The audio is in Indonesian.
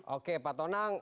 oke pak tonang